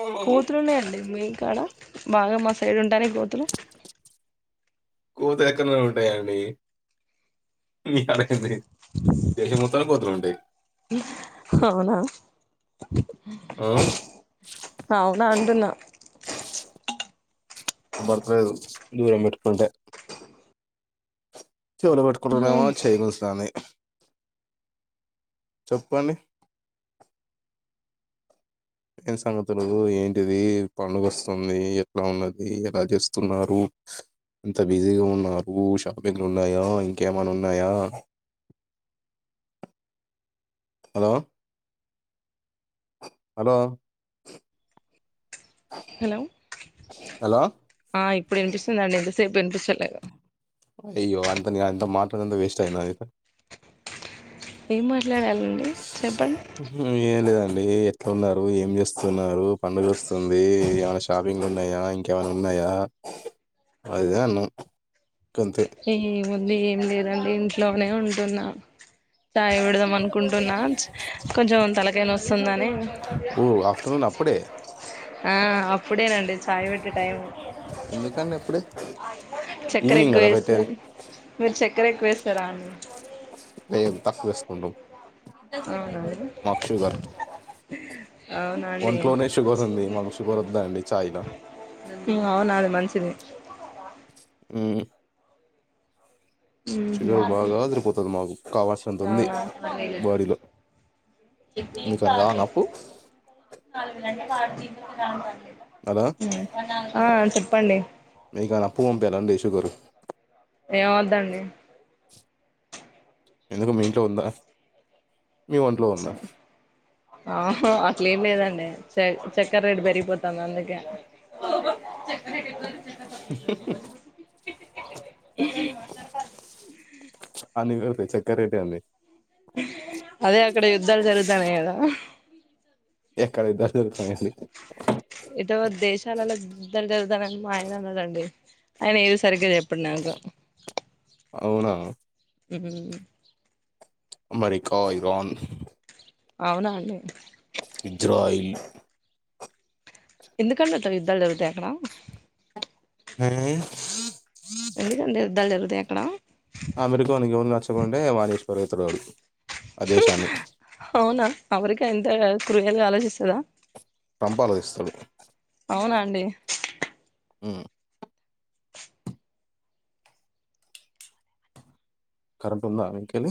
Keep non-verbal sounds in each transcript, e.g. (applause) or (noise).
అవును. కోతులున్నాయండి. మిక్ క్కడ బాగా మా సైడ్ ఉంటానాయ్ కోతులు కోతులు ఎక్కనైనా ఉంటాయండి. మీ కడేక్కింది. దేశం మొత్తం కోతులు ఉంటాయి. అవునా ఆ! అవునా అంటున్నా. బతకలేదు దూరం పెట్టుకుంటే చెవులు పెట్టుకుంటమేమో చేయగోసామి చెప్పుకోండి ఏం సంగతులు ఏంటిది పండుగా వస్తుంది ఎట్లా ఉన్నది ఎలా చేస్తున్నారు అంత బిజీగా ఉన్నారు షాపింగ్ ఉన్నాయా ఇంకేమనా ఉన్నాయా హలో హలో హలో హలో! ఆ ఇప్పుడు వినిపిస్తుందండి సేపు వినిపిస్తలే అయ్యో అంత నేను ఆయన తో మాట్లాడిందా వేస్ట్ అయింది ఐతే ఏం మాట్లాడాలండి చెప్పండి. డి ఎట్లా ఉన్నారు ఏం చేస్తున్నారు. పండుగ వస్తుంది ఏయ్య షాపింగ్ ఉన్నాయా. ఇంకేమైనా ఉన్నాయా. అదిద్ అన్నాం అంతే ఏ ఏ ఏం లేదండి ఇంట్లోనే ఉంటున్నా చాయ పెడదాం అనుకుంటున్నా కొంచెం తలకాయ నొస్తుంది అని ఓ ఆఫ్టర్నాన్ అప్పుడే ఆ అప్పుడేనండి చాయ్ పెట్టే టైం ఎందుకండి ఎప్పుడే చక్కెర ఈవెనింగ్ ఎక్కువ కదా పెట్టే మీరు చె చకార ఎక్కువ వేస్తారా అండి లేదు తక్కువ వేసుకుంటాం మాకు షుగర్ అవునడి అవునండి ఒంట్లోనే షుగర్ ఉంది మాకు షుగర్ వద్దా అండి ఛాయ్లా అవునది మంచిది ఉహు షుగర్ బాగా సరిపోతుంది మాకు కావాల్సినంత ఉంది అవున బాడీలో అండి మీకు అన కావాలని అప్పు వద్దండి హలో చెప్పండి మీ కానీ అప్పు పంపియాల అండి షుగరు ఏం వద్దండి ఎందుకు మీ ఇంట్లో ఉందా మీ ఒంట్లో ఉందా ఆహో ఏం లేదు అండి చక్కర రేట్ పెరిగిపోతుంది అందుకే ఉమ్ ఏ (inaudible) అన్ని పెరుగుతాయి చక్కర రేట్ ఏంది అదే అక్కడ యుద్ధాలు జరుగుతున్నాయి కదా ఎక్కడ యుద్ధాలు జరుగుతున్నాయి అండి ఎటో దేశాలలో యుద్ధాలు జరుగుతున్నాయి మా ఆయన అన్నాడండి ఆయన ఏది సరిగ్గా చెప్పడు నాకు అవునా హ అమెరికా ఇరన్ అవున అండి ఇజ్రాయిల్ ఎందుకు అండి అట్లా యుద్దాలు జరుగుతాయి ఎక్కడ హ ఎందుకంే ఇదా అ ఎక్కడ త్వరతురాడు అవునా అవరికి ఎంత కూలు ఆలోచిస్త కదా ట్రంప్ ఆలోచిస్తాడు అవునా అండి హు కరెంట్ ఉందా మీకలి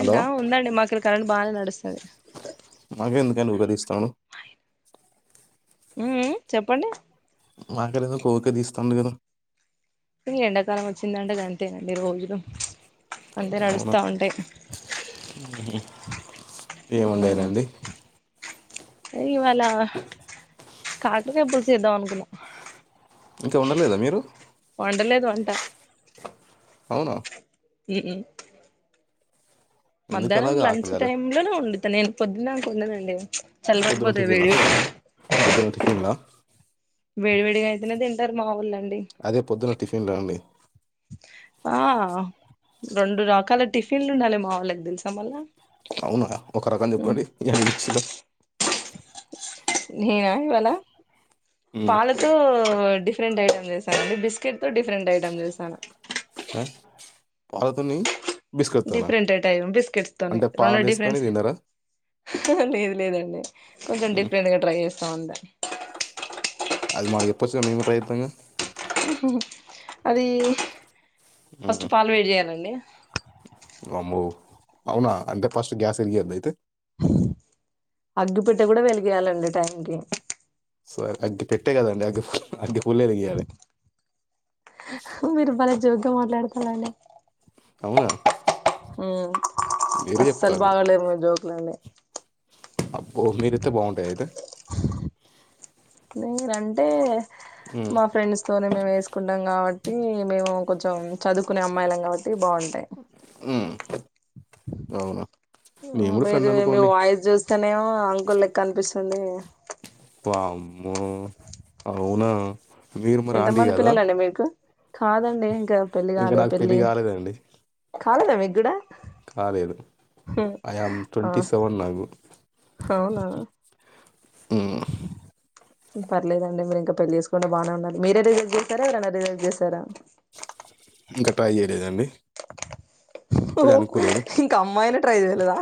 హలో ఉందండి మాకుడ కరెంట్ బాగా నడుస్తుంది నేను ఉపదిస్తాను ఉ చెప్పండి మాకదో కోక తీ ఇస్తాం కదా ఇ ఎండాకాలం వచ్చిందంటే అంతేనండి రోజులు అంతే అవునా నడుస్తా ఉంటాయి ఏమండారండి ఇవలా కాకలక పులు చేద్దాం అనుకున్నా ఇంకా ఉండలేదా మీరు వండలేదు వంట అవునా ఇ ఎందుకు మధ్యాహ్నం అలాగా లంచ్ ఆకలి కదా టైమ్ లోనే ఉం నేను పొద్దున్నకు ఉన్నానండి పొద్దున్న టిఫిన పొద్దున్న టిఫన్ వేడివేడిగా అయితేనే తింటారు మాఊళ్ళండి అదే పొద్దున టిఫిన్లా అండి ఆ రెండు రకాల టిఫిన్లు ఉండాలి మా వాళ్ళకి తెలుసాం వల్ల అవునా ఒక రకం చెప్పండి ఎడ మచ్చలో ననా వాళ పాలతో ఫరెంట్ ఐటమ్ చేసానుండి బిస్కెట్ తో ఫరెంట్ ఐటమ్ చేసాను పతని డిఫరెంట్ అయిట్ బిస్కెట్స్ తోనే అంటే రెండు పాలు వేసుకొని తిన్నారా డిఫరెంట్ది లేదండి కొంచెం హ్మ్. డిఫరెంట్ గా ట్రై చేస్త పస్తుంద అది మాగిప్ప సమీ ప్రాయితంగా అది ఫస్ట్ పాలు వేడి జెయ్యాలండి వామ్మో అవునా అంటే ఫస్ట్ గ్యాస్ ఎలిగియ్యెద్ద అయితే అగ్గి పెట్టే కూడా వెలిగియాలండి టైంకిి సరే అగ్గి పెట్టే కదండి అగ్గి ఫుల్ అగ్ పుల్ల వెలిగీయాలె జోగ్ గా మాట్లాడుతున్నాండి అవునా హ్మ్ మీరే అస్సలు చెప్తారు బాగాలే మీజోక్ లే లె అబ్బో మీరేత్తే బాగుంటాయ అయితే నేనంటే మా ఫ్రెండ్స్ తోనే మేము వేసుకుంటాం కావ్ ట్టి మేము కొంచెం చదువుకునే అమ్మాయిలం కావ ట్టి బాగుంటాయి మ్మ్. అవునా ఎమో నేను కూడా ఫ్రెండ్ మీరు అనుకోండి వాయిస్ జూస్ ఇక్కనేమో అంకుల్ లెక్క అనిపిస్సుంది వామ్మో అవునా మీరు మరి ఆంటీ ఎంతమంది కదా పిల్లలండి మీకు కాదండి ఇంకా పెళ్లి ఇంకా కాదు నాకు పెళ్ళి పెళ్లి కాలేదండి కాలేదా మీగ్గూడ కాలేదు I am ah twenty seven నాకు, అవునా మ్మ్ పర్లేదండి మీరు ఇంకా పెళ్లి చేసుకోండ బానే ఉన్నారు మీరే రిజెక్ట్ చేశారా ఎవరనా రిజెక్ చేశారా. ఇంక ట్రై జేలేదండి ఓహ్ ఇంక అమ్మాయిలన్ ట్రై జేలేదా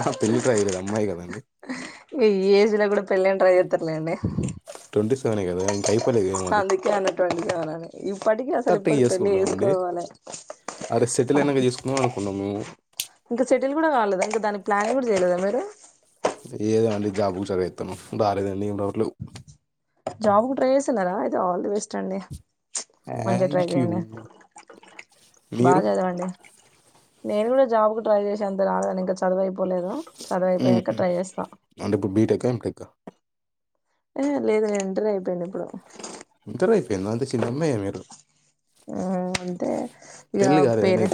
ఆహా, పెళ్ళి ట్రై చేయలేదు అమ్మాయి కదండి ఈ ఏజ్లో కూడా పెళ్లేం ట్రై జేత్తరులేండి. దా ఇంకేం అందుకే అందరు ట్వంటీ కావలని ఇప్పటికీ అసలు థర్టీకి ఇప్పుడు పెళ్లి చేసుకుంటాం అండి వేసుకోవాలి, అరే సెటిల్ అవ్వు అయినాక చేసుకుందాం అనుకున్నాం మేము ఇంక చెటిల్ కూడా కాలేదు ఇంగ దాని ప్లాన్ కూడ జేయలేదా మీరు ఏదేమండి జాబుకు చదివిస్తాను రాలేదండి ఇమి రోట్లు జాబ్ కు ట్రై చేసన్నారా ఐతే ఆల్ ది బెస్ట్ అండి ప్చ్ మంచిగా ట్రై థ్యాంక్ యూ చేయండి బాగ మీరు చదవండి నేను కూడా జాబ్ కు ట్రై చేసేంత రాలేదండి ఇంక చదువై పో పోలేదా చదువైపోయాక ఉహు ట్రై చేస్తా అంటే ఇప్పుడు బీటెక్ ఎంటెక్ లేదు లేదు నేను ఇంటర్ అయిపోయింది ఇప్పుడు ఇంటర్ అయిపోయిందా అంతే చిన్నమ్మాయి మీరు అ అంటే ఇక పెళ్లి కాలేదని పేరె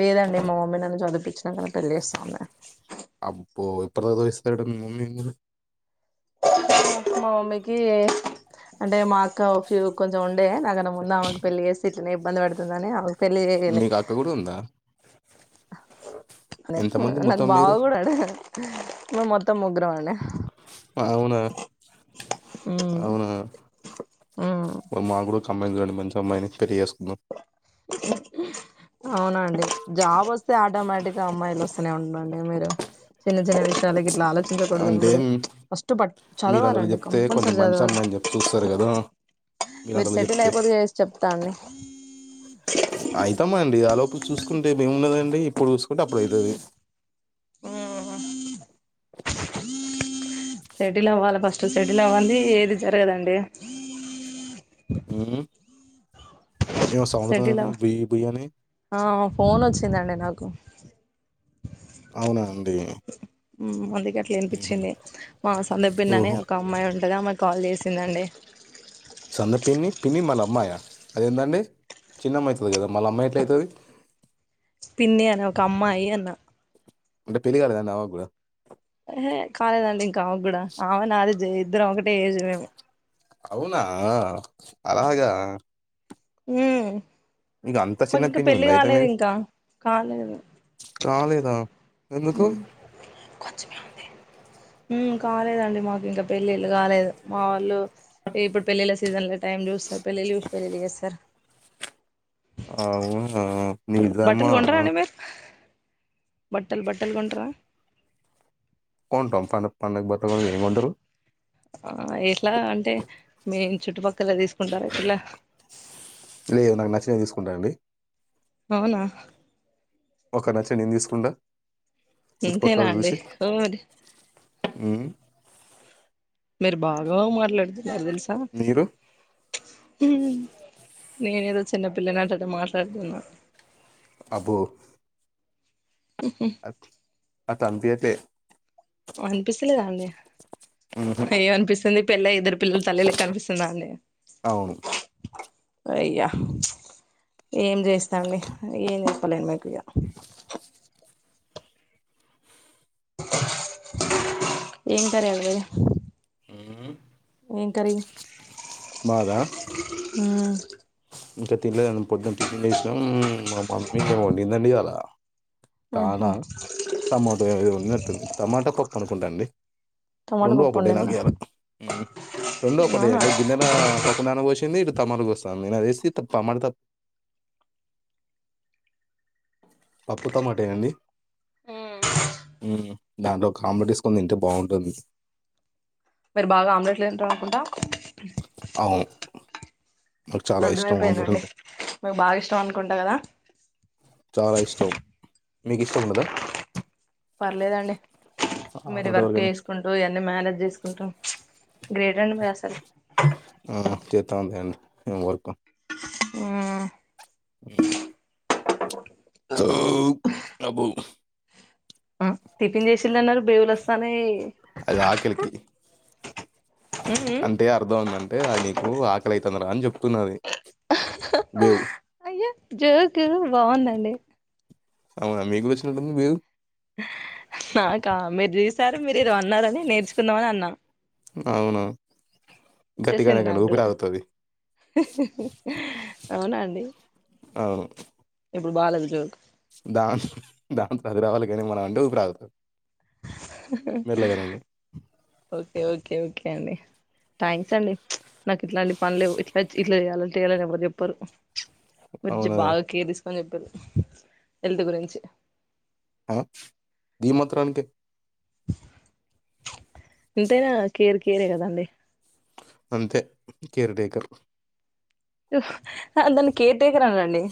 లేదండి మా మమ్మీ నన్ను చదువు (unintelligible) అబ్బో ఇప్పటి దాకా (unintelligible) మా మమ్మీకి అంటే మా అక్క ఫూ కొంచెం ఉండే నాకన్నా ముందు ఆమెకి పెళ్లి చేస్తే ఇట్లనే ఇబ్బంది పడుతుందని ఆవ్ పెళ్లి చేయలే మీకు అక్క కూడా ఉందా (inaudible) అద ఎంతమంది నాకు మొత్తం బావ మీరు కూడా డు మేం మొత్తం ముగ్గురం అండి అవునా మ్మ్ అవునా ఉమ్ మ మాగుడ, కమ్మాయిని చాలు మంచి అమ్మాయిని పెళ్లి చెస్ (inaudible) అవునా అండి జాబ్ వస్తే ఆటోమేటిక్ గా అమ్మాయిలు వస్తూనే ఉండ్రు మీరు చిన్న చిన్న విషయాలకి ఇలా ఆలోచించకూడదు అంటే అందరూ ఫస్ట్ పట్ మీలాంటోళ్ళు చదవాలండి చెప్తే కొంచెం కంపల్సరీ మంచి చదవాలి అమ్మాయిని చెప్పి చూస్తారు కదా మీరు మీలాంటోళ్ళు సెటిల్ చెప్తే అయిపోతే చేసి చెప్తానండి ఇది ఆ లోపుల చూసుకుంటే మేముండదండి ఏమున్నదండి ఇప్పుడు చూసుకుంటే అప్పుడు అయితది షటిల్ అవ్వాలి ఫస్ట్ సెటిల్ అవ్వందే ఏది జరగదండి యూ సెటిల్ ఆవ్ బుయ్ బుయ్ అని ఆ ఫోన్ వచ్చిందండి నాకు అవునా అండి ఉ అది గట్ల హుహు. వినిపించింది మా సంద పిన్ననే ఓహో ఒక అమ్మాయి ఉంటది కాల్ చేసిందండి సన్న పిన్ని పిన్ని మల్ల అమ్మాయి ఆ అదేందండి చిన్నమ్మ అవుతుంది కదా మళ్ళ అమ్మాయి ఎట్లావుతది పిన్ని అనే ఒక అమ్మయి అన్న అంటే పెళ్లి కాలేదండి అ పాప కూడా హే కాలేదండి ఇంకా ఆమె కూడా ఆమె నాది జై ఇద్దరం ఒకటే ఏజ్ మేము అవునా అలాగా యూ మీకు అంత మాకు చిన్న ఇంకా పిన్ని పెళ్లి ఉందా అయితే కాలేదు మీకు ఇంకా కాలేదు కాలేదా ఎందుకు కొంచెం మె ఉంది. ఊ కాలేదండి మాకు ఇంకా పెళ్ళిళ్ళు కాలేదు. మా వాళ్ళు ఇప్పుడు పెళ్ళిళ్ళ సీజన్లో టైం చూస్తారు. పెళ్ళళ్ళు చూసి పెళ్ళిళ్ళ చేస్తారు. అవునా బట్టలు నిజామా కొంటారా అండి మీరు బట్టలు బట్టలు కొంట్రా. కొంట టంన్ పండగ పోతాము మీరేమంటారు. ఆ ఎట్లా అంటే మే చుట్టుపక్కల తీసుకుంటార ఇట్లా. లేదు నాకు నచ్చిన తీసుకుంటాన అండి. అవునా ఒక నచ్చం నేను తీసుకుంటా. ఇంకెలా అండి ఓ యూ మీరు బాగా మాట్లాడదు నాకు తెలుసా హు మీరు నేను ఏదో చిన్నపిల్ల నాట మాట్లాడుతున్నా. అబ్బో (unintelligible) పె అనిపిస్తులేదా అండి. ఉహు ఏమ అనిపిస్తుంది పిల్ల ఇద్దరు పిల్లల తల్లిలకి అనిపిస్తుందా అండి. అవును అయ్యా ఏం చేస్తానండి ఏం చెప్పలేం మీకు ఇగ (unintelligible) ఏం కర్రి అండి మీది. ఉహ్ ఏం కరీ మాదా ఆ ఇంకా తినలేదు పొద్దున్న టిఫిన్ చేసినం మమ్మీ ఏమోండిందండి ఇయాల తాల ఊహూ టమాటో ఏమి ఉట్టుంది టమాటా పప్పు అనుకుంటాండి. టమాటా రెండో పప్పు ఒకటినా వండిందా ఇయలా ఊ రెండో ఒకటి అవునా అండి గిన్నెల పప్పు నానబోసింది. తమలుగు వస్తాంది నరేష్ తప్ప మారద పప్పుటమాటె నండి ఊ దాంట్లో ఒక ఆమ్లెట్ వేసుకొని తింటే బాగుంటుంది. మీరు బాగా ఆమ్లెట్లు తింటారు అనుకుంటా. అవును నాకు చాలా ఇష్టం ఆమ్లెట్ అర్థమైపోయినండి అంటే మీకు బాగా ఇష్టం అనుకుంటా కదా. చాలా ఇష్టం. మీకు ఇష్టముండదా. పర్లేదాండి మరి వర్క్ ఎవరికైనా చేసుకుంటూ ఇవన్నీ మనేజ్ చేసుకుంటూ గ్రేట్ అండి మీరు అసలు చేత ఉందండి వర్కు మ్మ్ మ్ అబో ఆ టిఫిన్ చేసిన్నారు బేవులుస్తానే అంతే అర్థం ఉ అంటే ఆ నీకు ఆకలివుతుంది రా అని చెప్తున్నది బేవు అయ్యో జోకు బాగుందండి అవునా మీకు వచ్చినట్టుంది బేవు నాకా మీరు చూసారు మీరు ఇది అన్నారని నేర్చుకుందామని అన్నా. అవును గట్టిగానే వచ్చేసింది కానీ నాకు ఊపిరి కూడా ఆగుతుంది హుహుహు అవునా అండి. ఇప్పుడు బాలేదు జోక్ దా దా అదిరావాలి కానీ, మనం అంటే ఊపి రాగుత. మెల్లగనండి ఓకే ఓకే ఒకే అండి థ్యాంక్స్ అండి, నాకు ఇట్లాంటి పనులేవు ఇట్లా ఇట్లా చేయాలంట చేయాలని ఎవరు చెప్పరు మర్జ అవునా బాగా కేరస్ అని చెప్పిరు హల్త్ గురించి ఆ దీ మాత్రనికి ఇంతైనా కేర్ కేరే కదండి అంతే కేర్డేకర్ దాన్ని కేర్ టేకర్ అన్నారండి